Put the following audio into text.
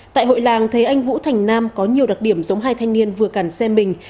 tại hội làng thấy anh vũ thành nam có nhiều đặc điểm giống hai thanh niên vừa cằn xem mình